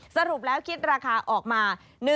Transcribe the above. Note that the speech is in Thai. สรุปแล้วคิดราคาออกมา